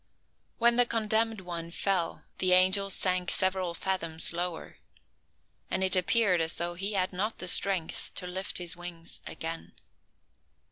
When the condemned one fell the angel sank several fathoms lower, and it appeared as though he had not the strength to lift his wings again.